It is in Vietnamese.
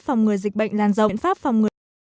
phòng người dịch bệnh lan rộng